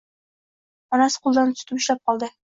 Onasi qo`lidan tutib ushlab qoldi